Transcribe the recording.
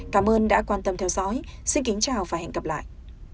cảm ơn đã quan tâm theo dõi xin kính chào và hẹn gặp lại